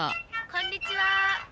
「こんにちは」